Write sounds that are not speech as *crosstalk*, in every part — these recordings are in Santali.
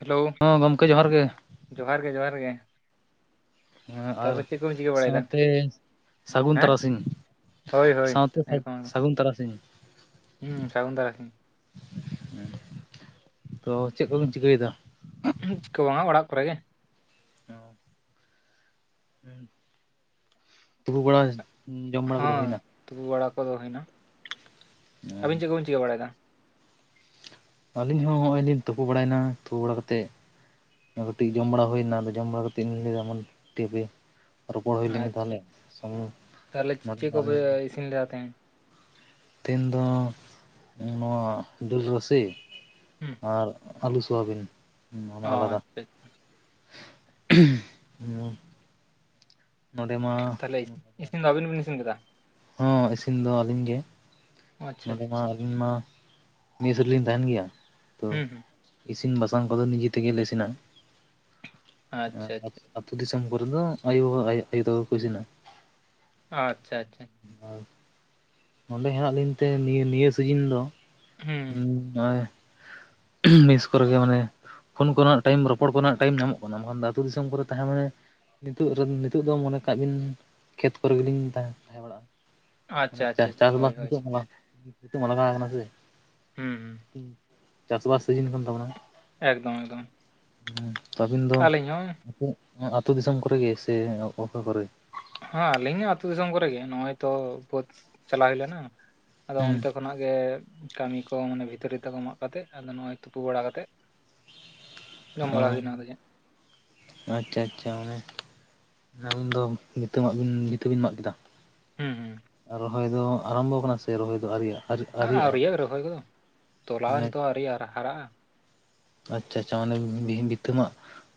ᱦᱮᱞᱳ ᱦᱚᱸ ᱜᱚᱢᱠᱮ ᱡᱚᱦᱟᱨ ᱜᱮ ᱡᱚᱦᱟᱨ ᱜᱮ ᱡᱚᱦᱟᱨ ᱜᱮ ᱦᱮᱸ ᱟᱨ ᱛᱟᱨᱯᱚᱨ ᱪᱮᱫ ᱠᱚᱢ ᱪᱤᱠᱟᱹ ᱵᱟᱲᱟᱭᱮᱫᱟ ᱥᱟᱶᱛᱮ ᱥᱟᱹᱜᱩᱱ ᱦᱮᱸ ᱛᱟᱨᱟᱥᱤᱧ ᱦᱳᱭ ᱦᱳᱭ ᱥᱟᱶᱛᱮ ᱮᱠᱫᱚᱢ ᱮᱠᱫᱚᱢ ᱥᱟᱹᱜᱩᱱ ᱛᱟᱨᱟᱥᱤᱧ ᱦᱩᱸ ᱥᱟᱹᱜᱩᱱ ᱫᱟᱨᱟᱥᱤᱱ ᱦᱮᱸ ᱛᱚ ᱪᱮᱫ ᱠᱚᱵᱤᱱ ᱪᱤᱠᱟᱹᱭᱮᱫᱟ? ᱪᱤᱠᱟᱹ ᱵᱟᱝᱟ ᱚᱲᱟᱜ ᱠᱚᱨᱮ ᱜᱮ ᱾ ᱚ ᱛᱩᱯᱩ ᱵᱟᱲᱟ ᱡᱚᱢ ᱵᱟᱲᱟ ᱠᱚᱫᱚ ᱦᱚᱸ ᱦᱩᱭ ᱱᱟ? ᱛᱩᱯᱩ ᱵᱟᱲᱟ ᱠᱚᱫᱚ ᱦᱩᱭᱱᱟ ᱟᱹᱵᱤᱱ ᱪᱮᱫ ᱠᱚᱵᱤᱱ ᱪᱤᱠᱟᱹ ᱵᱟᱲᱟᱭᱮᱫᱟ? ᱟᱹᱞᱤᱧ ᱦᱚᱸ ᱱᱚᱜ ᱚᱭ ᱞᱤᱧ ᱛᱩᱯᱩ ᱵᱟᱲᱟᱭᱮᱱᱟ ᱛᱩᱯᱩ ᱵᱟᱲᱟ ᱠᱟᱛᱮᱫ ᱠᱟᱹᱴᱤᱡ ᱡᱚᱢ ᱵᱟᱲᱟ ᱦᱩᱭᱱᱟ ᱡᱚᱢ ᱵᱟᱲᱟ ᱠᱟᱛᱮ ᱤᱧ ᱞᱟᱹᱭᱫᱟ ᱢᱟᱱᱮ ᱴᱤᱯᱷᱤ ᱨᱚᱯᱚᱲ ᱦᱩᱭ ᱞᱮᱧ ᱟᱪᱪᱷᱟ ᱛᱟᱦᱚᱞᱮ ᱥᱢᱩ ᱟᱞᱤᱧ ᱥᱤᱱ ᱞᱮᱫᱟᱛᱤᱧ ᱫᱤᱱ ᱫᱚ ᱱᱚᱣᱟ ᱰᱟᱹᱞ ᱨᱟᱥᱤ ᱦᱩᱸ ᱟᱨ ᱟᱞᱩ ᱥᱳᱣᱟᱵᱤᱱ ᱚ ᱟᱞᱟᱫᱟ ᱟᱪᱪᱷᱟ ᱟᱪᱪᱷᱟ, ᱦᱸ ᱱᱚᱰᱮ ᱢᱟ ᱛᱟᱦᱚᱞᱮ ᱤᱥᱤᱱ ᱫᱚ ᱟᱹᱵᱤᱱ ᱵᱤᱱ ᱤᱥᱤᱱ ᱠᱮᱫᱟ? ᱦᱚᱸ ᱤᱥᱤᱱ ᱫᱚ ᱟᱹᱞᱤᱧ ᱜᱮ ᱾ ᱟᱪᱪᱷᱟ ᱱᱚᱰᱮ ᱟᱪᱪᱷᱟ ᱢᱟ ᱟᱹᱞᱤᱧ ᱢᱟ ᱢᱤᱥ ᱨᱤᱞᱤᱧ ᱛᱟᱦᱮᱱ ᱜᱮᱭᱟ ᱛᱚ ᱦᱩᱸ ᱦᱩᱸ ᱤᱥᱤᱱ ᱵᱟᱥᱟᱝ ᱠᱚᱫᱚ ᱱᱤᱡᱮ ᱛᱮᱜᱮᱞ ᱞᱮ ᱤᱥᱤᱱᱟ ᱟᱪᱪᱷᱟ ᱾ ᱟ ᱟᱪᱪᱷᱟ ᱟᱹᱛᱩ ᱫᱤᱥᱚᱢ ᱠᱚᱨᱮᱫᱚ ᱟᱭᱩᱵᱟ ᱟᱭᱳ ᱛᱟᱠᱚ ᱤᱥᱤᱱᱟ ᱾ ᱟᱪᱪᱷᱟ ᱟᱪᱪᱷᱟ ᱱᱚᱸᱰᱮ ᱦᱮᱱᱟᱜ ᱞᱤᱧ ᱛᱮ ᱱᱤᱭᱟᱹ ᱱᱤᱭᱟᱹ ᱥᱤᱡᱤᱱ ᱫᱚ ᱦᱩᱸ ᱱᱚᱜ ᱢᱤᱥ ᱠᱚᱨᱮ ᱜᱮ ᱢᱟᱱᱮ ᱯᱷᱳ ᱠᱚᱨᱮᱱᱟᱜ ᱴᱟᱭᱤᱢ ᱨᱚᱯᱚᱲ ᱠᱚᱨᱮᱱᱟᱜ ᱴᱟᱭᱤᱢ ᱧᱟᱢᱚᱜ ᱠᱟᱱᱟ ᱢᱮᱱᱠᱷᱟᱱ ᱟ ᱟᱹᱛᱩᱳ ᱫᱤᱥᱚᱢ ᱠᱚᱨᱮ ᱛᱟᱦᱮᱸ ᱢᱟᱱᱮ ᱱᱤᱛᱚᱜ ᱨᱮ ᱱᱤᱛᱚᱜ ᱫᱚ ᱢᱚᱱᱮ ᱠᱟᱜ ᱵᱤᱱ ᱠᱷᱮᱛ ᱠᱚᱨᱮᱜᱮᱞᱤᱧ ᱛᱟᱦᱮᱸ ᱵᱟᱲᱟᱜᱼᱟ ᱾ ᱟᱪᱪᱷᱟ ᱟᱪᱪᱷᱟ ᱟᱪᱪᱷᱟ ᱪᱟᱥ ᱦᱳᱭ ᱵᱟᱥ ᱦᱳᱭ ᱠᱚᱫᱚ ᱞᱟᱜᱟᱣ ᱟᱠᱟᱱᱟ ᱥᱮ ᱦᱩᱸ ᱦᱩᱸ ᱪᱟᱥ ᱵᱟᱥ ᱥᱤᱡᱤᱱ ᱠᱟᱱ ᱛᱟᱵᱚᱱᱟ ᱾ ᱮᱠᱫᱚᱢ ᱮᱠᱫᱚᱢ ᱦᱮᱸ ᱟᱹᱵᱤᱱ ᱫᱚ ᱟᱹᱞᱤᱧ ᱦᱚᱸ ᱟ ᱟᱛᱩ ᱫᱤᱥᱚᱢ ᱠᱚᱨᱮ ᱜᱮ ᱥᱮ ᱚᱠᱟ ᱠᱚᱨᱮ? ᱦᱮᱸ ᱟᱹᱞᱤᱧᱟ ᱟᱛᱩ ᱫᱤᱥᱚᱢ ᱠᱚᱨᱮ ᱜᱮ ᱱᱚᱜ ᱚᱭ ᱛᱚ ᱵᱟᱹᱫ ᱪᱟᱞᱟᱣ ᱦᱩᱭ ᱞᱮᱱᱟ ᱟᱫᱚ ᱦᱩᱸ ᱚᱱᱛᱮ ᱠᱷᱚᱱᱟᱜ ᱜᱮ ᱠᱟᱹᱢᱤ ᱠᱚ ᱢᱟᱱᱮ ᱵᱷᱤᱛᱟᱹᱛᱤᱰᱟ ᱠᱚ ᱢᱟᱜ ᱠᱟᱛᱮᱜ ᱟᱫᱚ ᱱᱚᱜ ᱚᱭ ᱛᱩᱯᱩ ᱵᱟᱲᱟ ᱠᱟᱛᱮᱜ *inaudible* ᱚ ᱵᱟᱲᱟ ᱦᱩᱭᱱᱟ ᱟᱫᱚ ᱪᱮᱫ ᱟᱪᱪᱷᱟ ᱟᱪᱪᱷᱟ ᱚᱱᱮ ᱟᱹᱵᱤᱱ ᱫᱚ ᱵᱤᱛᱟᱹ ᱢᱟᱜ ᱵᱤᱱ ᱵᱤᱛᱟᱹ ᱵᱤᱱ ᱢᱟᱜ ᱠᱮᱫᱟ ᱦᱩᱸ ᱦᱩᱸ ᱨᱚᱦᱚᱭ ᱫᱚ ᱟᱨᱟᱢᱵᱚ ᱠᱟᱱᱟ ᱥᱮ ᱨᱚᱦᱚᱭ ᱫᱚ ᱟᱣᱨᱤᱭᱟᱜᱼᱟ? ᱟᱹᱣᱨᱤᱭᱟᱜᱼᱟ ᱨᱚᱦᱚᱭ ᱫᱚ ᱛᱚᱞᱟ ᱢᱟᱱᱮ ᱛᱚ ᱟᱹᱣᱨᱤ ᱦᱟᱨᱟᱜᱼᱟ ᱾ ᱟᱪᱪᱷᱟ ᱟᱪᱪᱷᱟ ᱢᱟᱱᱮ ᱵᱤᱛᱟᱹᱢᱟᱜ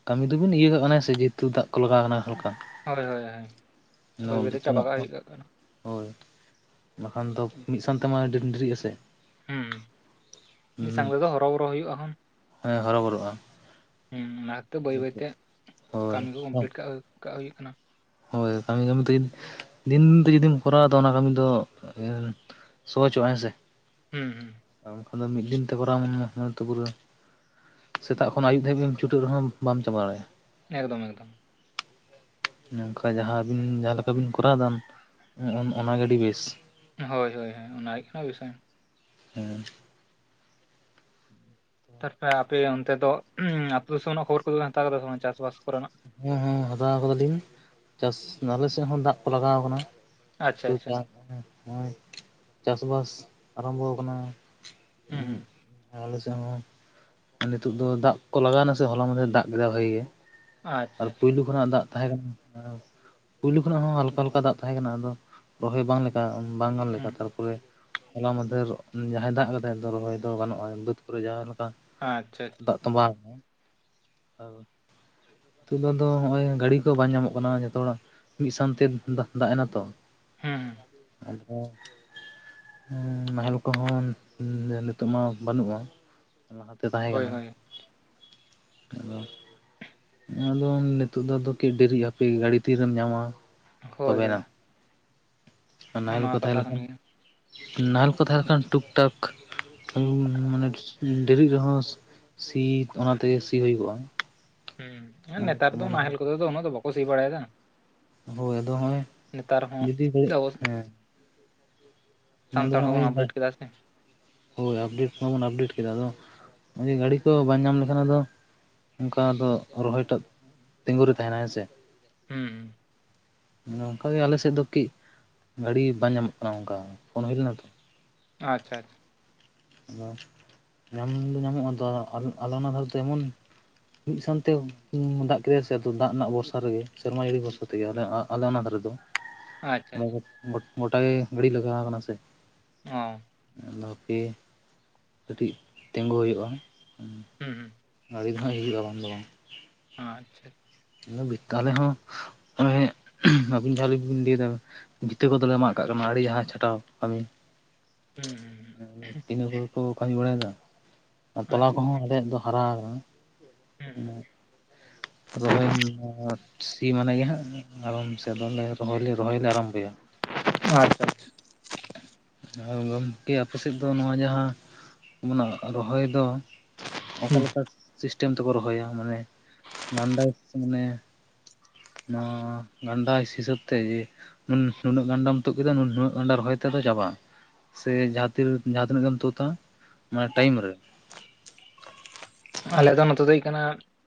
ᱠᱟᱹᱢᱤ ᱫᱚᱵᱤᱱ ᱤᱭᱟᱹ ᱠᱟᱜ ᱠᱟᱱᱟ ᱥᱮ ᱡᱮᱦᱮᱛᱩ ᱫᱟᱜ ᱠᱚ ᱞᱟᱜᱟᱣ ᱟᱠᱟᱱᱟ ᱦᱟᱞᱠᱟ ᱦᱳᱭ ᱦᱳᱭ ᱦᱳᱭ ᱵᱟᱹᱭ ᱵᱟᱹᱭ ᱛᱮ ᱵᱷᱤᱛᱟᱹ ᱪᱟᱵᱟ ᱢᱟᱜ ᱠᱟᱜ ᱠᱚ ᱦᱩᱭᱩᱜ ᱠᱟᱜ ᱠᱟᱱᱟ ᱾ ᱦᱳᱭ ᱵᱟᱠᱷᱟᱱ ᱫᱚ ᱢᱤᱫ ᱥᱟᱶᱛᱮᱢᱟ ᱰᱮᱨᱤᱜ ᱟᱥᱮ ᱾ ᱦᱩᱸ ᱢᱤᱫ ᱥᱟᱝ ᱛᱮᱫᱚ ᱦᱚᱨᱚᱵᱚᱨᱚ ᱦᱩᱭᱩᱜᱼᱟ ᱾ ᱢᱟᱱᱮ ᱦᱚᱨᱚᱵᱚᱨᱚᱜᱼᱟ ᱾ ᱦᱮᱸ ᱚᱱᱟᱛᱚ ᱵᱟᱹᱭ ᱵᱟᱹᱭ ᱛᱮ ᱦᱳᱭ ᱠᱟᱹᱢᱤ ᱠᱚ ᱠᱚᱢᱯᱞᱤᱴ ᱠᱟᱜ ᱠᱟᱜ ᱦᱩᱭᱩᱜ ᱠᱟᱱᱟ ᱾ ᱦᱳᱭ ᱠᱟᱹᱢᱤ ᱠᱟᱹᱢᱤ ᱛᱮ ᱫᱤᱱ ᱫᱤᱱ ᱛᱮ ᱡᱩᱫᱤᱢ ᱠᱚᱨᱟᱣᱟ ᱛᱚ ᱚᱱᱟ ᱠᱟᱹᱢᱤ ᱫᱚ, ᱥᱚ ᱪᱚ ᱦᱸᱟ ᱦᱮ ᱥᱮ ᱦᱩᱸ ᱦᱩᱸ ᱟᱨ ᱩᱱᱠᱷᱟᱱ ᱫᱚ ᱢᱤᱫ ᱫᱤᱱ ᱛᱮ ᱯᱟᱨᱟᱣ ᱯᱩᱨᱟᱹ ᱥᱮᱛᱟᱜ ᱠᱷᱚᱱ ᱟᱹᱩᱵ ᱫᱷᱟᱹᱵᱤᱡ ᱪᱩᱴᱟᱹᱜ ᱨᱮᱦᱚᱸ ᱵᱟᱢ ᱡᱟᱵᱟ ᱫᱟᱲᱮᱭᱟᱜᱼᱟ, ᱮᱠᱫᱚᱢ ᱮᱠᱫᱚᱢ, ᱱᱚᱝᱠᱟ ᱡᱟᱦᱟᱸ ᱟᱹᱵᱤᱱ ᱡᱟᱦᱟᱸ ᱞᱮᱠᱟ ᱵᱤᱱ ᱠᱚᱨᱟᱣ ᱫᱟᱱ ᱚᱱᱟᱜᱮ ᱟᱹᱰᱤ ᱵᱮᱥ, ᱦᱳᱭ ᱦᱳᱭ ᱦᱳᱭ ᱚᱱᱟ ᱚᱱᱟ ᱜᱮᱥᱮ,, ᱦᱮᱸ ᱛᱟᱨᱯᱚᱨᱮ ᱟᱯᱮ ᱚᱱᱛᱮ ᱫᱚ ᱟᱹᱛᱩᱳ ᱫᱤᱥᱚᱢ ᱨᱮᱱᱟᱜ ᱠᱷᱚᱵᱚᱨ ᱠᱚᱫᱚ ᱦᱟᱛᱟᱣ ᱠᱟᱫᱟ ᱦᱮ ᱵᱟᱝ ᱪᱟᱥ ᱵᱟᱥ ᱠᱚᱥ ᱠᱚᱨᱮᱱᱟᱜ? ᱦᱮᱸ ᱦᱮᱸ ᱦᱟᱛᱟᱣ ᱟᱠᱟᱫᱟᱞᱤᱧ ᱪᱟᱥ ᱟᱞᱮ ᱥᱮᱫ ᱦᱚᱸ ᱫᱟᱜ ᱠᱚ ᱞᱟᱜᱟᱣ ᱟᱠᱟᱱᱟ, ᱟᱪᱪᱷᱟ ᱟᱪᱪᱷᱟ ᱱᱚᱜᱚᱭ ᱪᱟᱥᱵᱟᱥ ᱟᱨᱟᱢᱵᱷᱚ ᱟᱠᱟᱱᱟ᱾ ᱦᱮᱸ ᱟᱞᱮ ᱥᱮᱫ ᱦᱚᱸ ᱱᱤᱛᱚᱜ ᱫᱚ ᱫᱟᱜ ᱠᱚ ᱞᱟᱜᱟᱣᱱᱟ ᱥᱮ ᱦᱚᱞᱟ ᱢᱟᱫᱮᱨ ᱨᱮ ᱫᱟᱜ ᱠᱮᱫᱟ ᱵᱷᱟᱜᱤ ᱜᱮ ᱾ ᱟᱪᱪᱷᱟ ᱟᱨ ᱟᱪᱪᱷᱟ ᱯᱳᱭᱞᱳ ᱠᱷᱚᱱᱟᱜ ᱫᱟᱜ ᱛᱟᱦᱮᱸ ᱠᱟᱱᱟ ᱯᱳᱭᱞᱳ ᱠᱷᱚᱱᱟᱜ ᱦᱚᱸ ᱦᱟᱞᱠᱟ ᱦᱟᱞᱠᱟ ᱫᱟᱜ ᱛᱟᱦᱮᱸ ᱠᱟᱱᱟ ᱟᱫᱚ, ᱨᱚᱦᱚᱭ ᱵᱟᱝ ᱞᱮᱠᱟ ᱵᱟᱝ ᱜᱟᱱ ᱞᱮᱠᱟ ᱦᱩᱸ ᱛᱟᱨᱯᱚᱨᱮ, ᱦᱚᱞᱟ ᱢᱚᱫᱽᱫᱷᱮᱨ ᱡᱟᱦᱟᱸᱭ ᱫᱟᱜ ᱠᱟᱫᱟᱭ ᱫᱚ ᱨᱚᱦᱚᱭ ᱫᱚ ᱜᱟᱱᱚᱜᱼᱟ ᱵᱟᱹᱫᱽ ᱠᱚᱨᱮ ᱡᱟᱦᱟᱸ ᱞᱮᱠᱟ ᱟᱪᱪᱷᱟ ᱟᱪᱷ ᱫᱟᱜ ᱛᱚᱸᱵᱟᱣ ᱠᱟᱱᱟ ᱱᱤᱛᱚᱜ ᱫᱚ ᱦᱚᱭ ᱜᱟᱹᱰᱤ ᱠᱚ ᱵᱟᱝ ᱧᱟᱢᱚᱜ ᱠᱟᱱᱟ ᱡᱚᱛᱚ ᱦᱚᱲᱟᱜ ᱢᱤᱫ ᱥᱟᱶᱛᱮ ᱫᱟᱜ ᱮᱱᱟ ᱛᱚ, ᱦᱮᱸ ᱦᱮᱸ ᱟᱫᱚ ᱱᱟᱦᱮᱞ ᱠᱚᱦᱚᱸ ᱱᱤᱛᱳᱜ ᱢᱟ ᱵᱟᱹᱱᱩᱜᱼᱟ, ᱞᱟᱦᱟᱛᱮ ᱛᱟᱦᱮᱸ ᱦᱳᱭ ᱠᱟᱱᱟ ᱦᱳᱭ ᱟᱫᱚ, ᱟᱫᱚ ᱱᱤᱛᱚᱜ ᱫᱚ ᱟᱫᱚ ᱠᱤ ᱰᱮᱨᱤᱜ ᱟᱯᱮ ᱜᱟᱹᱰᱤ ᱛᱤᱨᱮᱢ ᱧᱟᱢᱟ ᱦᱳᱭ ᱛᱚᱵᱮᱱᱟ ᱦᱳᱭ ᱦᱚᱸᱜᱼᱚ ᱱᱟᱦᱮᱞ ᱠᱚ ᱱᱚᱣᱟ ᱛᱟᱦᱮᱸ ᱠᱟᱛᱷᱟ ᱠᱟᱱ ᱞᱮᱱᱠᱷᱟᱱ ᱜᱮᱭᱟ ᱱᱟᱦᱮᱞ ᱠᱚ ᱛᱟᱦᱮᱱ ᱞᱮᱱ ᱠᱷᱟᱱ ᱴᱩᱠ ᱴᱟᱠ *unintelligible* ᱰᱮᱨᱤᱜ ᱨᱮᱦᱚᱸ, ᱥᱤ ᱚᱱᱟ ᱛᱮᱜᱮ ᱥᱤ ᱦᱩᱭ ᱠᱚᱜᱼᱟ ᱦᱩᱸ ᱱᱮᱛᱟᱨ ᱫᱚ ᱱᱟᱦᱮᱞ ᱠᱚᱫᱚ ᱫᱚ ᱩᱱᱟᱹᱜ ᱫᱚ ᱵᱟᱠᱚ ᱥᱤ ᱵᱟᱲᱟᱭᱮᱫᱟ, ᱦᱳᱭ ᱟᱫᱚ ᱦᱚᱸᱜᱚᱭ ᱱᱮᱛᱟᱨ ᱦᱚᱸ ᱡᱩᱫᱤ ᱟᱵᱚ *unintelligible* ᱦᱮᱸ, ᱧᱮᱞ ᱫᱚ ᱥᱟᱱᱛᱟᱲ ᱦᱚᱸᱵᱚᱱ *unintelligible* ᱟᱯᱰᱮᱴ ᱵᱟᱫᱽ ᱠᱮᱫᱟ ᱥᱮ ᱦᱳᱭ ᱟᱯᱰᱮᱴ ᱢᱟᱵᱚᱱ ᱟᱯᱰᱮᱴ ᱠᱮᱫᱟ ᱟᱫᱚ ᱜᱟᱹᱰᱤ ᱠᱚ ᱵᱟᱝ ᱧᱟᱢ ᱞᱮᱠᱷᱟᱱ ᱟᱫᱚ ᱚᱱᱠᱟ ᱫᱚ ᱨᱚᱦᱚᱭ ᱴᱟᱜ ᱛᱤᱸᱜᱩ ᱨᱮ ᱛᱟᱦᱮᱱᱟ ᱦᱮᱸ ᱥᱮ, ᱦᱩᱸ ᱦᱩᱸ ᱱᱚᱝᱠᱟᱜᱮ ᱟᱞᱮᱥᱮᱫ ᱫᱚ ᱠᱟᱹᱡ ᱜᱟᱹᱰᱤ ᱵᱟᱝ ᱧᱟᱢᱚᱜ ᱠᱟᱱᱟ ᱚᱱᱠᱟ ᱯᱷᱳᱱ ᱦᱳᱭ ᱞᱮᱱᱟ ᱛᱚ, ᱟᱪᱪᱷᱟ ᱟᱪᱪᱷᱟ, ᱟᱫᱚ ᱧᱟᱢ ᱫᱚ ᱧᱟᱢᱚᱜᱼᱟ ᱟᱫᱚ ᱟᱞᱮ ᱚᱱᱟ ᱫᱷᱟᱨᱮ ᱫᱚ ᱮᱢᱚᱱ, ᱢᱤᱫ ᱥᱟᱶᱛᱮ *unintelligible* ᱫᱟᱜ ᱠᱮᱫᱟᱭ ᱥᱮ ᱫᱟᱜ ᱨᱮᱱᱟᱜ ᱵᱷᱚᱨᱥᱟ ᱨᱮᱜᱮ ᱥᱮᱨᱢᱟ ᱡᱟᱹᱲᱤ ᱵᱷᱚᱨᱥᱟ ᱛᱮᱜᱮ ᱟᱞᱮ ᱚᱱᱟ ᱫᱷᱟᱨᱮ ᱫᱚ, ᱟᱪᱪᱷᱟ ᱚᱱᱮ ᱟᱪᱪᱷᱟ ᱜᱚᱴ ᱜᱚᱴ ᱜᱚᱴᱟ ᱜᱮ ᱜᱟᱹᱰᱤ ᱞᱟᱜᱟᱣ ᱠᱟᱱᱟ ᱥᱮ ᱦᱚ ᱟᱫᱚ ᱦᱟᱯᱮ ᱠᱟᱹᱴᱤᱡ ᱛᱤᱸᱜᱳ ᱦᱳᱭᱳᱜᱼᱟ, ᱦᱩᱸ ᱦᱩᱸ ᱜᱟᱹᱰᱤ ᱦᱚᱸ ᱦᱤᱡᱩᱜᱼᱟ ᱵᱟᱝ ᱫᱚ ᱵᱟᱝ ᱚᱱᱟ ᱟᱪᱪᱷᱟ ᱚᱱᱮ ᱵᱮᱠᱟᱞᱮ ᱦᱚᱸ *unintelligible* ᱟᱹᱵᱤᱱ ᱡᱟᱦᱟ ᱨᱮᱵᱮᱱ ᱞᱟᱹᱭᱮᱫᱟ ᱵᱤᱱ ᱵᱷᱤᱛᱟᱹ ᱠᱚᱫᱚᱞᱮ ᱢᱟᱜ ᱠᱟᱜ ᱠᱟᱱᱟ ᱟᱹᱲᱤ ᱡᱟᱦᱟᱸ ᱪᱷᱟᱴᱟᱣ ᱠᱟᱹᱢᱤ ᱦᱩᱸ ᱦᱩᱸ ᱦᱩᱸ ᱛᱤᱦᱤᱧ ᱦᱚᱭ ᱠᱚ ᱠᱟᱹᱢᱤ ᱵᱟᱲᱟᱭᱮᱫᱟ ᱟᱨ ᱛᱚᱞᱟ ᱟᱪᱪᱷᱟ ᱠᱚᱦᱚᱸ ᱟᱞᱮᱭᱟᱜ ᱫᱚ ᱦᱟᱨᱟ ᱟᱠᱟᱱᱟ, ᱦᱩᱸ ᱦᱩᱸ ᱚᱱᱮ *inaudible* ᱨᱚᱦᱚᱭ *unintelligible* ᱥᱤ ᱢᱟᱱᱮ ᱜᱮ ᱦᱟᱸᱜ ᱟᱨᱚᱢ ᱥᱮ ᱫᱚᱢᱮ ᱨᱚᱦᱚᱭ ᱞᱮ ᱨᱚᱦᱚᱭᱞᱮ ᱟᱨᱟᱢ ᱵᱚᱭᱟ ᱟᱪᱪᱷᱟ ᱟᱨ ᱜᱚᱢᱠᱮ ᱟᱯᱮ ᱥᱮᱫ ᱫᱚ ᱱᱚᱣᱟ ᱡᱟᱦᱟᱸ ᱨᱚᱦᱚᱭ ᱫᱚ ᱦᱩᱸ ᱚᱠᱟᱮᱠᱟ ᱥᱤᱥᱴᱮᱢ ᱛᱮ ᱠᱚ ᱨᱚᱦᱚᱭᱟ ᱢᱟᱱᱮ ᱜᱟᱱᱰᱟ ᱥᱮ ᱢᱟᱱᱮ ᱱᱚᱣᱟ ᱜᱟᱱᱰᱟ ᱦᱤᱥᱟᱹᱵ ᱛᱮ ᱡᱮ ᱦᱩᱸ ᱱᱩᱱᱟᱹᱜ ᱜᱟᱱᱰᱟᱢ ᱛᱩᱫ ᱠᱮᱫᱟ ᱱᱩᱱᱟᱹᱜ ᱜᱟᱱᱰᱟ ᱨᱚᱦᱚᱭ ᱛᱮᱫᱚ ᱪᱟᱵᱟᱜ-ᱟ ᱥᱮ ᱡᱟᱦᱟᱸ ᱛᱤ ᱡᱟᱦᱟᱸ ᱛᱤᱱᱟᱹᱜ ᱜᱮᱢ ᱛᱩᱫᱟ ᱚᱱᱟ ᱴᱟᱭᱤᱢ ᱨᱮ ᱟᱞᱮ ᱫᱚ ᱱᱚᱛᱮ ᱫᱚ ᱦᱩᱭᱩᱜ ᱠᱟᱱᱟ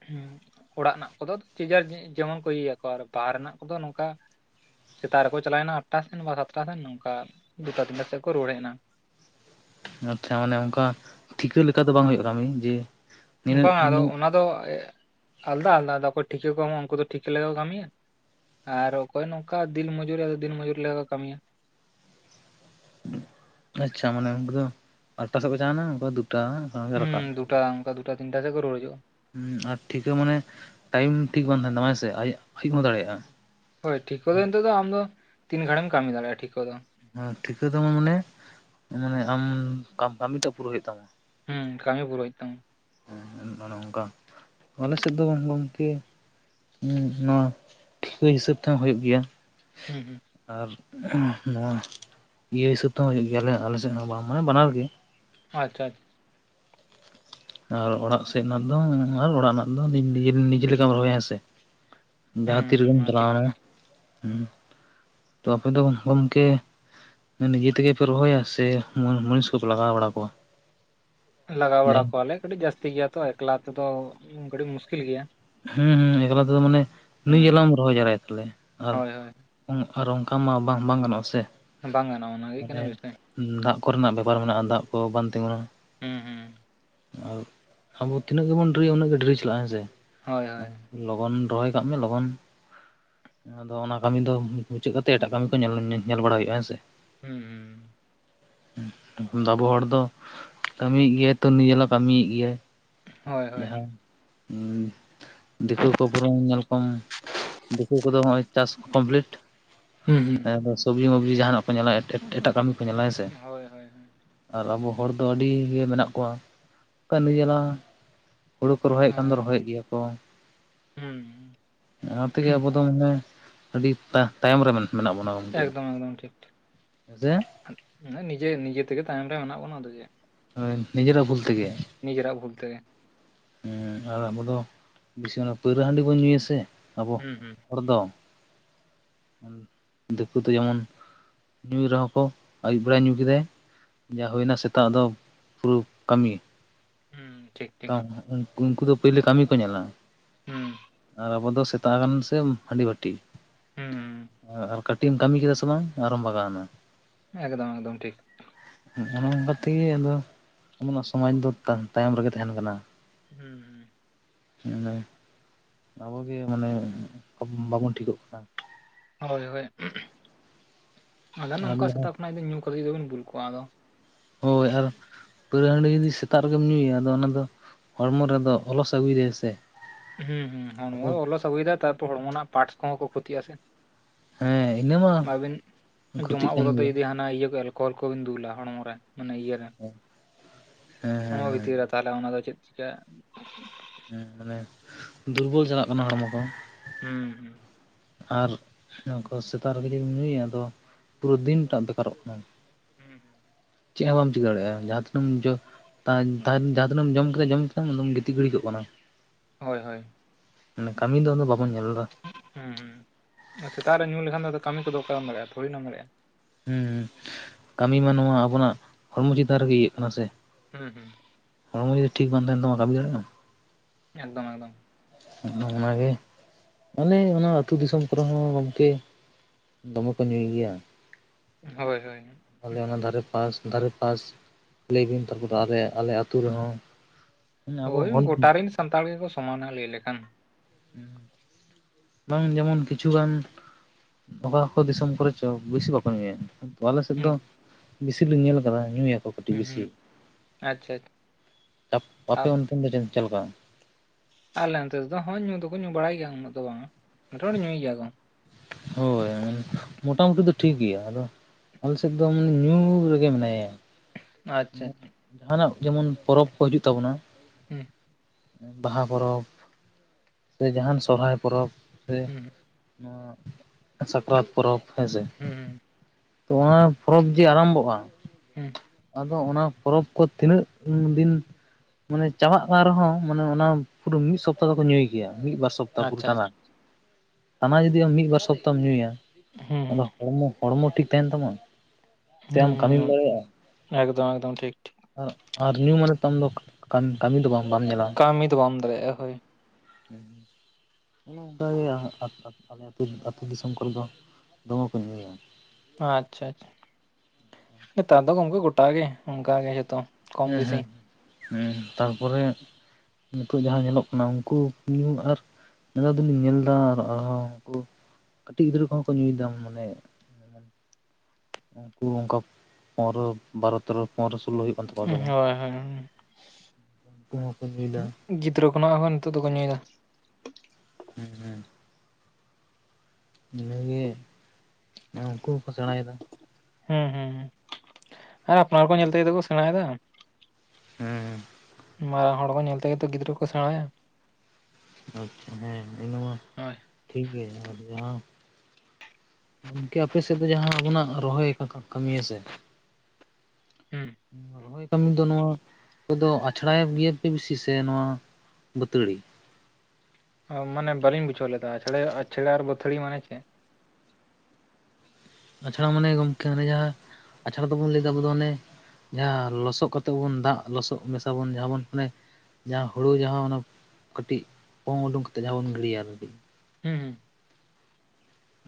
ᱦᱩᱸ ᱚᱲᱟᱜ ᱨᱮᱱᱟᱜ ᱠᱚᱫᱚ ᱡᱮ ᱡᱟᱨ ᱡᱮᱢᱚᱱ ᱠᱚ ᱤᱭᱟᱹ ᱭᱟᱠᱚ ᱟᱨ ᱵᱟᱦᱟᱨ ᱨᱮᱱᱟᱜ ᱠᱚ ᱫᱚ ᱱᱚᱝᱠᱟ ᱥᱮᱛᱟᱜ ᱨᱮᱠᱚ ᱪᱟᱞᱟᱣᱱᱟ ᱟᱴᱴᱟ ᱥᱮᱱ ᱵᱟ ᱥᱟᱛᱴᱟ ᱥᱮᱱ ᱱᱚᱝᱠᱟ ᱫᱩᱴᱟ ᱛᱤᱱᱴᱟ ᱥᱮᱫ ᱠᱚ ᱨᱩᱣᱟᱹᱲ ᱦᱮᱡ ᱮᱱᱟ ᱟᱪᱪᱷᱟ ᱟᱱᱮ ᱚᱱᱠᱟ ᱴᱷᱤᱠᱟᱹ ᱞᱮᱠᱟ ᱫᱚ ᱵᱟᱝ ᱦᱩᱭᱩᱜ-ᱟ ᱠᱟᱢᱤ ᱡᱮ ᱱᱤᱱᱟᱹᱜ ᱵᱟᱝ ᱟᱫᱚ ᱱᱤᱱᱟᱹᱜ ᱚᱱᱟ ᱫᱚ ᱟᱞᱟᱫᱟ ᱟᱞᱟᱫᱟ ᱟᱞᱟᱫᱟ ᱫᱟᱠᱚ ᱴᱷᱤᱠᱟᱹ ᱠᱚ ᱮᱢᱟ ᱩᱱᱠᱩ ᱫᱚ ᱴᱷᱤᱠᱟᱹ ᱞᱮᱠᱟ ᱠᱚ ᱠᱟᱹᱢᱤᱭᱟ ᱟᱨ ᱚᱠᱚᱭ ᱱᱚᱝᱠᱟ ᱫᱤᱱ ᱢᱚᱡᱩᱨ ᱟᱚ ᱫᱤᱱ ᱢᱚᱡᱩᱨᱤ ᱞᱮᱠᱟ ᱠᱚ ᱠᱟᱹᱢᱤᱭᱟ ᱟᱪᱪᱷᱟ ᱢᱟᱱᱮ ᱩᱱᱠᱩ ᱫᱚ ᱟᱴᱴᱟ ᱥᱮᱫ ᱠᱚ ᱪᱟᱣᱱᱟ ᱩᱱᱠᱩᱣᱟᱜ ᱫᱩᱴᱟ ᱟᱹᱦ ᱦᱩᱸ ᱫᱩᱴᱟ ᱚᱱᱠᱟ ᱫᱩᱴᱟ ᱛᱤᱱᱴᱟ ᱠᱷᱟᱱ ᱠᱚ ᱨᱩᱣᱟᱹᱲ ᱦᱤᱡᱩᱜᱼᱟ ᱦᱩᱸ ᱟᱨ ᱴᱷᱤᱠᱟᱹ ᱢᱟᱱᱮ ᱴᱟᱭᱤᱢ ᱴᱷᱤᱠ ᱵᱟᱝ ᱛᱟᱦᱮᱱ ᱛᱟᱢᱟ ᱦᱮᱸᱥᱮ ᱟᱭᱩ ᱟᱭᱩᱵ ᱦᱚᱸ ᱫᱟᱲᱮᱭᱟᱜᱼᱟ ᱦᱳᱭ ᱴᱷᱤᱠᱟᱹ ᱞᱮᱱᱛᱮᱫᱚ ᱟᱢ ᱫᱚ ᱛᱤᱱ ᱜᱷᱟᱹᱲᱤᱢ ᱠᱟᱹᱢᱤ ᱫᱟᱲᱮᱭᱟᱜᱼᱟ ᱴᱷᱤᱠᱟᱹ ᱫᱚ ᱦᱮᱸ ᱴᱷᱤᱠᱟᱹ ᱫᱚ ᱢᱟᱱᱮ ᱢᱟᱱᱮ ᱟᱢ ᱠᱟᱹᱢᱤ ᱴᱟᱜ ᱯᱩᱨᱟᱹᱣ ᱦᱩᱭᱩᱜ ᱛᱟᱢᱟ ᱦᱩᱸ ᱠᱟᱹᱢᱤ *unintelligible* ᱛᱟᱢᱟ ᱦᱮᱸ ᱚᱱᱮ ᱚᱝᱠᱟ ᱟᱞᱮ ᱥᱮᱫ ᱫᱚ ᱩᱱ ᱱᱩᱝᱠᱤᱱ *unintelligible* ᱴᱷᱤᱠᱟᱹ ᱦᱤᱥᱟᱹᱵ ᱛᱮ ᱦᱚᱸ ᱦᱩᱭᱩᱜ ᱜᱮᱭᱟ ᱦᱩᱸ ᱦᱩᱸ ᱟᱨ ᱱᱚᱣᱟ ᱤᱭᱟᱹ ᱦᱤᱥᱟᱹᱵᱽ ᱛᱮᱦᱚᱸ ᱦᱩᱭᱩᱜ ᱜᱮᱭᱟ ᱟᱞᱮ ᱟᱞᱮ ᱥᱮᱫ ᱦᱚᱸ ᱵᱟᱝ ᱢᱟᱱᱮ ᱵᱟᱱᱟᱨ ᱜᱮ ᱟᱪᱪᱷᱟ ᱟᱪ ᱟᱨ ᱚᱲᱟᱜ ᱥᱮᱫ ᱨᱮᱱᱟᱜ ᱫᱚ ᱟᱨ ᱚᱲᱟᱜ ᱨᱮᱱᱟᱜ ᱫᱚ ᱱᱤᱡᱮ ᱞᱮᱠᱟᱢ ᱨᱚᱦᱚᱭᱟ ᱦᱮᱸ ᱥᱮ ᱦᱩᱸ ᱡᱟᱦᱟᱸ ᱛᱤ ᱦᱩᱸ ᱨᱮᱜᱮᱢ ᱢᱟ ᱴᱷᱤᱠ ᱪᱟᱞᱟᱣᱱᱟ ᱦᱮᱸ ᱛᱚ ᱟᱯᱮ ᱫᱚ ᱜᱚᱢᱠᱮ ᱱᱤᱡᱮ ᱛᱮᱜᱮ ᱯᱮ ᱨᱚᱦᱚᱭᱟ ᱥᱮ ᱢᱩᱱᱤᱥ ᱠᱚᱯᱮ ᱞᱟᱜᱟᱣ ᱵᱟᱲᱟ ᱠᱚᱣᱟ ᱞᱟᱜᱟᱣ ᱵᱟᱲᱟ ᱦᱮᱸ ᱠᱚᱣᱟ ᱞᱮ ᱠᱟᱹᱴᱤᱡ ᱡᱟᱹᱥᱛᱤ ᱜᱮᱭᱟ ᱛᱚ ᱮᱠᱞᱟ ᱛᱮ ᱫᱚ ᱠᱟᱹᱴᱤᱡ ᱢᱩᱥᱠᱤᱞ ᱜᱮᱭᱟ ᱦᱩᱸ ᱦᱩᱸ ᱮᱠᱞᱟ ᱛᱮᱫᱚ ᱢᱟᱱᱮ ᱦᱩᱸ ᱦᱩᱸ, ᱱᱤ-ᱡᱟᱞᱟᱢ ᱨᱚᱦᱚᱭ ᱡᱟᱣᱨᱟᱭᱟ ᱛᱟᱦᱞᱮ ᱟᱨ ᱦᱳᱭ ᱦᱳᱭ ᱟᱨ ᱚᱱᱠᱟ ᱢᱟ ᱵᱟᱝ ᱵᱟᱝ ᱜᱟᱱᱚᱜ-ᱟ ᱥᱮ ᱵᱟᱝ ᱜᱟᱱᱚᱜ-ᱟ ᱚᱱᱟ ᱜᱮ ᱠᱟᱱᱟ ᱢᱟᱱᱮ ᱵᱮᱥᱚᱭ ᱫᱟᱜ ᱠᱚᱨᱮ ᱱᱟᱜ ᱵᱮᱯᱟᱨ ᱢᱮᱱᱟᱜ-ᱟ ᱫᱟᱜ ᱠᱚ ᱵᱟᱝ ᱛᱤᱸᱜᱩᱱᱟ ᱦᱩᱸ ᱦᱩᱸ ᱟᱨ ᱟᱵᱚ ᱛᱤᱱᱟᱹᱜ ᱜᱮᱵᱚᱱ ᱰᱮᱨᱤᱭᱟ ᱩᱱᱟᱹᱜ ᱜᱮ ᱰᱮᱨᱤ ᱪᱟᱞᱟᱜ-ᱟ ᱦᱮᱸᱥᱮ ᱦᱳᱭ ᱦᱳᱭ ᱞᱚᱜᱚᱱ ᱨᱚᱦᱚᱭ ᱠᱟᱜ ᱢᱮ ᱞᱚᱜᱚᱱ ᱟᱫᱚ ᱚᱱᱟ ᱠᱟᱹᱢᱤ ᱫᱚ ᱢᱩᱪᱟᱹᱫ ᱠᱟᱛᱮ ᱮᱴᱟᱜ ᱠᱟᱹᱢᱤ ᱠᱚ ᱧᱮᱞ ᱧᱮᱞ ᱵᱟᱲᱟᱟᱭ ᱦᱩᱭᱩᱜ-ᱟ ᱦᱮᱸᱥᱮ ᱦᱩᱸ ᱦᱩᱸ ᱟᱵᱚ ᱦᱚᱲ ᱫᱚ ᱠᱟᱹᱢᱤᱭᱮᱫ ᱜᱮᱭᱟᱭ ᱛᱚ ᱱᱤ-ᱡᱟᱞᱟ ᱠᱟᱹᱢᱤᱭᱮᱫ ᱜᱮᱭᱟᱭ ᱦᱳᱭ ᱦᱳᱭ ᱡᱟᱦᱟᱸ ᱦᱩ ᱫᱤᱠᱩ ᱠᱚ ᱵᱚᱨᱚᱢ ᱧᱮᱞ ᱠᱚᱢ ᱫᱤᱠᱩ ᱠᱚ ᱫᱚ ᱱᱚᱜ-ᱚᱭ ᱪᱟᱥ ᱠᱚᱢᱯᱞᱤᱴ ᱦᱩᱸ ᱦᱩᱸ ᱟᱫᱚ ᱥᱚᱵᱽᱡᱤ ᱢᱚᱵᱡᱤ ᱡᱟᱦᱟᱱᱟᱜ ᱠᱚ ᱧᱮᱞᱟ ᱮᱴᱟᱜ ᱠᱟᱹᱢᱤ ᱠᱚ ᱧᱮᱞᱟ ᱦᱮᱸ ᱥᱮ ᱦᱳᱭ ᱦᱳᱭ ᱦᱳᱭ ᱟᱨ ᱟᱵᱚ ᱦᱚᱲ ᱫᱚ ᱟᱹᱰᱤ ᱜᱮ ᱢᱮᱱᱟᱜ ᱠᱚᱣᱟ ᱠᱟᱹ ᱱᱤ-ᱡᱟᱞᱟ ᱦᱩᱲᱩ ᱠᱚ ᱨᱚᱦᱚᱭ ᱮᱫ ᱠᱷᱟᱱ ᱫᱚ ᱦᱳᱭ, ᱨᱚᱦᱚᱭ ᱮᱫ ᱜᱮᱭᱟ ᱠᱚ ᱦᱩᱸ ᱚᱱᱟ ᱛᱮᱜᱮ ᱟᱵᱚ ᱫᱚ ᱟᱹᱰᱤ ᱛᱟᱭᱚᱢ ᱨᱮ ᱢᱮᱱᱟᱜ ᱵᱚᱱᱟ ᱜᱚᱢᱠᱮ ᱮᱠᱫᱚᱢ ᱮᱠᱫᱚᱢ ᱴᱷᱤᱠ ᱥᱮ ᱱᱤᱡᱮ ᱱᱤᱡᱮ ᱛᱮ ᱜᱮ ᱛᱟᱭᱚᱢ ᱨᱮ ᱢᱮᱱᱟᱜ ᱵᱚᱱᱟ ᱟᱫᱚ ᱪᱮᱫ ᱦᱚᱭ ᱱᱤᱡᱮᱨᱟᱜ ᱵᱷᱩᱞ ᱛᱮᱜᱮ ᱱᱤᱡᱮᱨᱟᱜ ᱵᱷᱩᱞ ᱛᱮᱜᱮ ᱦᱩ ᱟᱨ ᱟᱵᱚ ᱫᱚ ᱵᱤᱥᱤ ᱚᱱᱟ ᱯᱟᱹᱣᱨᱟᱹ ᱦᱟᱺᱰᱤ ᱵᱚᱱ ᱧᱩᱭᱟᱥᱮ ᱟᱵᱚ ᱦᱩᱸ ᱦᱩᱸ ᱦᱚᱲ ᱫᱚ ᱫᱤᱠᱩ ᱫᱚ ᱡᱮᱢᱚᱱ ᱧᱩᱭ ᱨᱮᱦᱚᱸ ᱠᱚ ᱟᱹᱭᱩᱵ ᱵᱮᱲᱟ ᱧᱩ ᱠᱮᱫᱟᱭ ᱡᱟ ᱦᱩᱭᱱᱟ ᱥᱮᱛᱟᱜ ᱫᱚ ᱯᱩᱨᱟᱹ ᱠᱟᱹᱢᱤ ᱦᱩᱸ ᱴᱷᱤᱠ ᱴᱷᱤᱠ ᱩᱱᱠᱩ ᱫᱚ ᱯᱳᱭᱞᱳ ᱠᱟᱹᱢᱤ ᱠᱚ ᱧᱮᱞᱟ ᱦᱩᱸ ᱟᱵᱚᱫᱚ ᱥᱮᱛᱟᱜ ᱟᱠᱟᱱ ᱥᱮ ᱦᱟᱺᱰᱤ ᱵᱟᱹᱴᱷᱤ ᱦᱩᱸ ᱟᱨ ᱠᱟᱹᱴᱤᱡ ᱮᱢ ᱠᱟᱹᱢᱤ ᱠᱮᱫᱟ ᱥᱮ ᱵᱟᱝ ᱟᱨᱚᱢ ᱵᱟᱜᱟᱣ ᱮᱱᱟ ᱮᱠᱫᱚᱢ ᱮᱠᱫᱚᱢ ᱴᱷᱤᱠ ᱚᱱᱮ ᱚᱱᱠᱟ ᱛᱮ ᱜᱮ ᱟᱫᱚ ᱟᱵᱚᱱᱟᱜ ᱥᱚᱢᱟᱡᱽ ᱫᱚ ᱛᱟᱭᱚᱢ ᱨᱮ ᱜᱮ ᱛᱟᱦᱮᱱ ᱠᱟᱱᱟ ᱦᱩᱸ ᱦᱩᱸ *unintelligible* ᱟᱵᱚᱜᱮ ᱢᱟᱱᱮ ᱵᱟᱵᱚᱱ ᱴᱷᱤᱠᱚᱜ ᱠᱟᱱᱟ ᱦᱳᱭ ᱦᱳᱭ ᱟᱫᱚ ᱟᱨ ᱚᱝᱠᱟ ᱡᱟᱦᱟᱸ ᱥᱮᱛᱟᱜ ᱠᱷᱚᱱᱟᱜ ᱫᱚ ᱧᱩ ᱠᱟᱛᱮᱛ ᱫᱚᱵᱚᱱ ᱵᱩᱞ ᱠᱚᱜ-ᱟ ᱟᱫᱚ ᱦᱳᱭ ᱟᱨ ᱯᱟᱹᱣᱨᱟᱹ ᱦᱟᱺᱰᱤ ᱡᱩᱫᱤ ᱥᱮᱛᱟᱜ ᱨᱮᱜᱮᱢ ᱧᱩᱭᱟ ᱟᱫᱚ ᱚᱱᱟ ᱫᱚ ᱦᱚᱲᱢᱚ ᱨᱮᱫᱚ ᱟᱞᱚᱥ ᱟᱹᱜᱩᱭ ᱜᱮᱭᱟᱭ ᱥᱮ ᱦᱩᱸ ᱦᱩᱸ ᱟᱫᱚ ᱦᱚᱲᱢᱚ ᱚᱞᱚᱥ ᱟᱹᱜᱩᱭᱮᱫᱟ ᱛᱟᱨᱯᱚᱨ ᱦᱚᱲᱢᱚ ᱨᱮᱱᱟᱜ ᱯᱟᱨᱴᱥ ᱠᱚᱦᱚᱸ ᱠᱚ ᱠᱷᱚᱛᱤᱜ ᱟᱥᱮ ᱦᱮᱸ ᱤᱱᱟᱹ ᱢᱟ ᱟᱵᱤᱱ ᱡᱚᱢᱟᱜ ᱠᱷᱚᱛᱤᱜ ᱠᱟᱱ ᱵᱚᱫᱚᱞ ᱛᱮ ᱜᱮᱭᱟ ᱡᱩᱫᱤ ᱦᱟᱱᱟ ᱤᱭᱟᱹ ᱠᱚ ᱮᱞ ᱠᱚᱞ ᱠᱚᱵᱤᱱ ᱫᱩᱞᱟ ᱢᱟᱱᱮ ᱤᱭᱟᱹ ᱨᱮ ᱦᱮᱸ ᱦᱮᱸ ᱦᱟᱲᱢᱚ ᱦᱮᱸ ᱵᱷᱤᱛᱤᱨ ᱨᱮ ᱛᱟᱦᱚᱞᱮ ᱚᱱᱟ ᱫᱚ ᱪᱮᱫ ᱪᱤᱠᱟᱹᱜ-ᱟ ᱦᱩ ᱢᱟᱱᱮ ᱫᱩᱨᱵᱚᱞ ᱪᱟᱞᱟᱜ ᱠᱟᱱᱟ ᱦᱚᱲᱢᱚ ᱠᱚ ᱦᱩᱸ ᱦᱩᱸ ᱟᱨ ᱚᱱᱟ ᱠᱚ ᱥᱮᱛᱟᱜ ᱨᱮᱜᱮ ᱡᱩᱫᱤᱢ ᱧᱩᱭᱟ ᱟᱫᱚ ᱯᱩᱨᱟᱹ ᱫᱤᱱᱴᱟᱜ ᱵᱮᱠ ᱦᱩᱸ ᱦᱩᱸ ᱪᱮᱫ ᱦᱚᱸ ᱵᱟᱢ ᱪᱤᱠᱟᱹ ᱫᱟᱲᱮᱭᱟᱜ-ᱟ ᱡᱟᱦᱟᱸ ᱛᱤᱱᱟᱹᱜ ᱡᱚ ᱟ ᱡᱟᱦᱟᱸ ᱛᱤᱱᱟᱹᱜ ᱮᱢ ᱡᱚᱢ ᱠᱮᱫᱟ ᱡᱚᱢ ᱠᱮᱫᱟᱢ ᱟᱫᱚᱢ ᱜᱤᱛᱤᱡ ᱜᱤᱲᱤ ᱠᱚᱜ ᱠᱟᱱᱟ ᱦᱳᱭ ᱦᱳᱭ ᱢᱟᱱᱮ ᱠᱟᱹᱢᱤ ᱫᱚ ᱵᱟᱵᱚᱱ ᱧᱮᱞ ᱮᱫᱟ ᱦᱮᱸ ᱦᱩᱸ ᱥᱮᱛᱟᱜ ᱨᱮ ᱧᱩ ᱞᱮᱠᱷᱟᱱ ᱫᱚ ᱠᱟᱹᱢᱤ ᱠᱚᱫᱚ ᱚᱠᱟᱨᱮ ᱫᱟᱲᱮᱭᱟᱜ-ᱟ ᱛᱷᱩᱲᱤ ᱱᱟᱢ ᱫᱟᱲᱮᱭᱟᱜ-ᱟ ᱦᱩ ᱠᱟᱹᱢᱤ ᱢᱟ ᱱᱚᱣᱟ ᱟᱵᱚᱱᱟᱜ ᱦᱚᱲᱢᱚ ᱪᱮᱛᱟᱱ ᱨᱮᱜᱮ ᱤᱭᱟᱹᱜ ᱠᱟᱱᱟ ᱥᱮ ᱾ ᱦᱩᱸ ᱦᱩᱸ ᱦᱚᱲᱢᱚ ᱡᱩᱫᱤ ᱴᱷᱤᱠ ᱵᱟᱝ ᱛᱟᱦᱮᱱ ᱛᱟ ᱠᱟᱹᱢᱤ ᱫᱟᱲᱮᱭᱟᱜ-ᱟᱢ ᱮᱠᱫᱚᱢ ᱮᱠᱫᱚᱢ ᱚᱱᱟᱜᱮ ᱢᱟᱱᱮ ᱚᱱᱟ ᱟᱹᱛᱩ ᱫᱤᱥᱚᱢ ᱠᱚᱨᱮ ᱦᱚᱸ ᱜᱚᱝᱠᱮ ᱫᱚᱢᱮ ᱠᱚ ᱧᱩᱭ ᱜᱮᱭᱟ ᱾ ᱦᱳᱭ ᱦᱳᱭ ᱛᱟᱦᱞᱮ ᱦᱩᱸ, ᱚᱱᱟ ᱫᱷᱟᱨᱮ ᱯᱟᱥ ᱫᱷᱟᱨᱮ ᱯᱟᱥ ᱞᱟᱹᱭ ᱵᱤᱱ ᱛᱟᱨᱯᱚᱨ ᱟᱞᱮ ᱟᱞᱮ ᱟᱹᱛᱩ ᱨᱮᱦᱚᱸ ᱟᱵᱚ ᱦᱳᱭ ᱦᱚᱲ ᱜᱚᱴᱟ ᱨᱮᱱ ᱥᱟᱱᱛᱟᱲ ᱜᱮᱠᱚ ᱥᱚᱢᱟᱱᱟ ᱞᱟᱹᱭ ᱞᱮᱠᱷᱟᱱ᱾ ᱵᱟᱝ ᱡᱮᱢᱚᱱ ᱠᱤᱪᱷᱩᱜᱟᱱ ᱚᱠᱟ ᱠᱚ ᱫᱤᱥᱚᱢ ᱠᱚᱨᱮ ᱪᱚ ᱵᱮᱥᱤ ᱵᱟᱠᱚ ᱧᱩᱭᱟ ᱟᱞᱮ ᱥᱮᱫ ᱫᱚ ᱟᱪᱪᱷᱟ ᱵᱤᱥᱤ ᱞᱮ ᱧᱮᱞ ᱟᱠᱟᱫᱟ ᱧᱩᱭᱟᱠᱚ ᱟᱹᱰᱤ ᱦᱩᱸ ᱦᱩᱸ ᱵᱮᱥᱤ ᱟᱪᱪᱷᱟ ᱟᱪᱪᱷᱟ ᱟᱯᱮ ᱟᱨ ᱚᱱᱛᱮᱱ ᱫᱚ ᱪᱮᱫ ᱞᱮᱠᱟ? ᱟᱞᱮ ᱱᱚᱛᱮ ᱫᱚ ᱦᱚ ᱧᱩ ᱫᱚᱠᱚ ᱧᱩ ᱵᱟᱲᱟᱭ ᱜᱮᱭᱟ ᱩᱱᱟᱹᱜ ᱫᱚ ᱵᱟᱝ ᱦᱚᱲ ᱧᱩᱭ ᱜᱮᱭᱟ ᱠᱚ ᱾ ᱦᱳᱭ ᱢᱚᱴᱟᱢᱩᱴᱤ ᱫᱚ ᱴᱷᱤᱠ ᱜᱮᱭᱟ ᱟᱫᱚ ᱟᱞᱮᱥᱮᱫ ᱫᱚ ᱢᱟᱱᱮ ᱧᱩ ᱨᱮᱜᱮ ᱢᱮᱱᱟᱭᱟ᱾ ᱟᱪᱪᱷᱟ ᱢᱟᱱᱮ ᱡᱟᱦᱱᱟᱜ ᱡᱮᱢᱚᱱ ᱯᱚᱨᱚᱵᱽ ᱠᱚ ᱦᱤᱡᱩᱜ ᱛᱟᱵᱚᱱᱟ ᱦᱮᱸ ᱵᱟᱦᱟ ᱯᱚᱨᱚᱵᱽ ᱥᱮ ᱡᱟᱦᱟᱱ ᱥᱚᱨᱦᱟᱭ ᱯᱚᱨᱚᱵᱽ ᱥᱮ ᱦᱩᱸ ᱱᱚᱣᱟ ᱥᱟᱠᱨᱟᱛ ᱯᱚᱨᱚᱵᱽ ᱦᱮᱸᱥᱮ ᱦᱩᱸ ᱛᱚ ᱚᱱᱟ ᱯᱚᱨᱚᱵᱽ ᱡᱮ ᱟᱨᱚᱢᱵᱷᱚᱜᱼᱟ ᱦᱮᱸ ᱟᱫᱚ ᱚᱱᱟ ᱯᱚᱨᱚᱵᱽ ᱠᱚ ᱛᱤᱱᱟᱹᱜ ᱫᱤᱱ ᱢᱟᱱᱮ ᱪᱟᱵᱟᱜ ᱠᱟᱱ ᱨᱮᱦᱚᱸ ᱢᱟᱱᱮ ᱚᱱᱟ ᱯᱩᱨᱟᱹ ᱢᱤᱫ ᱥᱚᱯᱛᱟ ᱫᱚᱠᱚ ᱧᱩᱭ ᱜᱮᱭᱟ ᱢᱤᱫ ᱵᱟᱨ ᱥᱚᱯᱛᱟ ᱯᱩ ᱟᱪᱪᱷᱟ ᱴᱟᱱᱟ ᱟᱪᱪᱷᱟ ᱴᱟᱱᱟ ᱡᱩᱫᱤ ᱟᱢ ᱢᱤᱫ ᱵᱟᱨ ᱥᱚᱯᱛᱟᱢ ᱧᱩᱭᱟ ᱦᱩᱸ ᱟᱫᱚ ᱦᱩᱸ ᱦᱚᱲᱢᱚ ᱦᱚᱲᱢᱚ ᱴᱷᱤᱠ ᱛᱟᱦᱮᱱ ᱛᱟᱢᱟ ᱾ ᱦᱩᱸ ᱦᱩᱸ ᱮᱠᱫᱚᱢ ᱮᱠᱫᱚᱢ ᱴᱷᱤᱠ ᱴᱷᱤᱠ ᱟᱨ ᱟᱨ ᱧᱩ ᱢᱟᱱᱮ ᱛ ᱟᱢ ᱫᱚ ᱠᱟᱹᱢᱤ ᱫᱚ ᱵᱟᱝ ᱵᱟᱢ ᱧᱮᱞᱟ ᱠᱟᱹᱢᱤ ᱵᱟᱢ ᱫᱟᱲᱮᱭᱟᱜᱼᱟ ᱦᱳᱭ ᱦᱩᱸ ᱦᱩᱸ ᱚᱱᱮ ᱚᱱᱠᱟᱜᱮ ᱟᱞᱮ ᱟᱹᱛᱩ ᱟᱹᱛᱩ ᱫᱤᱥᱚᱢ ᱠᱚᱨᱮ ᱫᱚ ᱫᱚᱢᱮ ᱠᱚ ᱧᱩᱭᱟ ᱟᱪᱪᱷᱟ ᱟᱪᱷᱟ ᱱᱮᱛᱟᱨ ᱫᱚ ᱜᱚᱝᱠᱮ ᱜᱚᱴᱟ ᱜᱮ ᱚᱱᱠᱟ ᱜᱮ ᱡᱚᱛᱚ ᱾ ᱦᱮᱸ ᱦᱮᱸ ᱦᱮᱸ ᱛᱟᱨᱯᱚᱨᱮ ᱱᱤᱛᱚᱜ ᱡᱟᱦᱟᱸ ᱧᱮᱞᱚᱜ ᱠᱟᱱᱟ ᱩᱱᱠᱩ ᱧᱩ ᱟᱨ ᱱᱮᱛᱟᱨ ᱫᱚᱞᱤᱧ ᱧᱮᱞᱫᱟ ᱟᱨ ᱟᱨᱦᱚᱸ ᱩᱱᱠᱩ ᱠᱟᱹᱴᱤᱡ ᱜᱤᱫᱽᱨᱟᱹ ᱠᱚᱦᱚᱸ ᱠᱚ ᱧᱩᱭᱫᱟ ᱢᱟᱱᱮ ᱩᱱᱠᱩ ᱚᱱᱠᱟ ᱯᱚᱱᱮᱨᱚ ᱵᱟᱨᱚ ᱛᱮᱨᱚ ᱯᱚᱱᱮᱨᱚ ᱥᱳᱞᱞᱳ ᱦᱩᱭᱩᱜ ᱠᱟᱱ ᱛᱟᱠᱚᱣᱟ ᱥᱮ ᱵᱟᱝ ᱦᱳᱭ ᱦᱳᱭ ᱩᱱᱠᱩ ᱦᱚᱸᱠᱚ ᱧᱩᱭᱫᱟ *unintelligible* ᱜᱤᱫᱽᱨᱟᱹ ᱠᱷᱚᱱᱟᱜ ᱦᱚᱸ ᱱᱤᱛᱚᱜ ᱫᱚᱠᱚ ᱧᱩᱭᱮᱫᱟ ᱾ ᱦᱮᱸ ᱦᱩᱸ ᱤᱱᱟᱹᱜᱮ ᱩᱱᱠᱩ ᱦᱚᱸᱠᱚ ᱥᱮᱬᱟᱭᱮᱫᱟ ᱦᱮᱸ ᱦᱮᱸ ᱟᱨ ᱟᱯᱱᱟᱨ ᱠᱚ ᱧᱮᱞᱛᱮᱜᱚ ᱠᱚ ᱥᱮᱬᱟᱭᱮᱫᱟ ᱦᱮᱸ ᱢᱟᱨᱟᱝ ᱦᱚᱲ ᱠᱚ ᱧᱮᱞ ᱛᱮᱜᱮ ᱛᱚ ᱜᱤᱫᱽᱨᱟᱹ ᱠᱚ ᱥᱮᱬᱟᱭᱟ ᱟᱪᱪᱷᱟ ᱦᱮᱸ ᱤᱱᱟᱹᱢᱟ ᱴᱷᱤᱠ ᱜᱮᱭᱟ ᱟᱨ ᱡᱟᱦᱟ ᱜᱚᱝᱠᱮ ᱟᱯᱮ ᱥᱮᱫ ᱫᱚ ᱡᱟᱦᱟᱸ ᱟᱵᱚᱱᱟᱜ ᱨᱚᱦᱚᱭ ᱠᱟ ᱠᱟ ᱠᱟᱹᱢᱤ ᱦᱮᱸᱥᱮ ᱦᱮᱸ ᱨᱚᱦᱚᱭ ᱠᱟᱹᱢᱤ ᱫᱚ ᱱᱚᱣᱟ ᱠᱚᱫᱚ ᱟᱪᱷᱲᱟᱭ ᱜᱮᱭᱟ ᱯᱮ ᱵᱮᱥᱤ ᱥᱮ ᱱᱚᱣᱟ ᱵᱩᱛᱟᱹᱲᱤ ᱢᱟᱱᱮ ᱵᱟᱹᱞᱤᱧ ᱵᱩᱡᱷᱟᱹᱣ ᱞᱮᱫᱟ ᱪᱷᱟᱲᱟ ᱟᱪᱷᱲᱟ ᱟᱨ ᱵᱟᱹᱛᱷᱟᱹᱲᱤ ᱢᱟᱱᱮ ᱪᱮᱫ ᱟᱪᱷᱲᱟ ᱢᱟᱱᱮ ᱜᱚᱢᱠᱮ ᱦᱟᱱᱮ ᱡᱟᱦᱟᱸ ᱟᱪᱷᱲᱟ ᱫᱚᱟᱵᱚᱱ ᱞᱟᱹᱭᱫᱟ ᱟᱵᱚ ᱫᱚ ᱚᱱᱮ ᱡᱟᱦᱟᱸ ᱞᱚᱥᱚᱫ ᱠᱟᱛᱮᱜ ᱵᱚᱱ ᱫᱟᱜ ᱞᱚᱥ ᱢᱮᱥᱟ ᱵᱚᱱ ᱡᱟᱦᱟᱸ ᱵᱚᱱ ᱢᱟᱱᱮ ᱡᱟᱦᱟᱸ ᱦᱳᱲᱳ ᱡᱟᱦᱟᱸ ᱚᱱᱟ ᱠᱟᱹᱴᱤᱡ ᱯᱚᱝ ᱩᱰᱩᱝ ᱠᱟᱛᱮ ᱡᱟᱦᱟᱸ ᱵᱚᱱ ᱜᱤᱰᱤᱭᱟ ᱟᱨ ᱠᱟᱹᱴᱤᱡ ᱦᱩᱸ ᱦᱩᱸ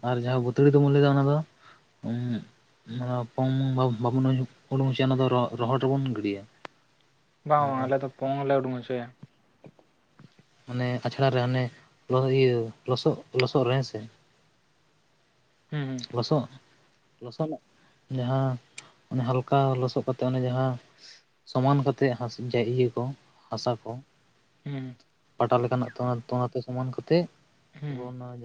ᱟᱨ ᱡᱟᱦᱟᱸ ᱵᱟᱹᱛᱲᱤ ᱫᱚᱵᱚᱱ ᱞᱟᱹᱭ ᱮᱫᱟ ᱚᱱᱟ ᱫᱚ ᱯᱚᱝ ᱡᱚᱝ ᱵᱟ ᱵᱟᱵᱟᱱ ᱦᱩᱰᱩᱝ ᱦᱚᱪᱚᱭᱟ ᱚᱱᱟ ᱨᱚᱦᱚᱲ ᱨᱮᱵᱚᱱ ᱜᱤᱰᱤᱭᱟ ᱵᱟᱝ ᱢᱟᱱᱮ ᱵᱟᱝ ᱟᱞᱮ ᱫᱚ ᱯᱚᱝᱞᱮ ᱳᱰᱳᱝ ᱦᱚᱪᱮᱭᱟ ᱢᱟᱱᱮ ᱟᱪᱲᱟ ᱨᱮ ᱦᱟᱱᱮ ᱞᱚᱦᱚ ᱤᱭᱟᱹ ᱞᱚᱥᱚᱜ ᱞᱚᱥᱚᱫ ᱨᱮ ᱦᱮᱸ ᱥᱮ ᱦᱩᱸ ᱦᱩᱸ *unintelligible* ᱞᱚᱥᱚᱫ ᱞᱚᱥᱚᱫ ᱡᱟᱦᱟᱸ ᱚᱱᱮ ᱦᱟᱞᱠᱟ ᱞᱚᱥᱚᱫ ᱠᱟᱛᱮ ᱚᱱᱮ ᱡᱟᱦᱟᱸ ᱥᱚᱢᱟᱱ ᱠᱟᱛᱮᱫ ᱡᱟ ᱤᱭᱟᱹ ᱠᱚ ᱦᱟᱥᱟ ᱠᱚ ᱦᱮᱸ ᱯᱟᱴᱟ ᱞᱮᱠᱟᱱᱟᱜ ᱛ *unintelligible* ᱛᱚᱛᱮ ᱥᱚᱢᱟᱱ ᱠᱟᱛᱮᱜ ᱦᱩᱸ ᱟᱵᱚ ᱚᱱᱟ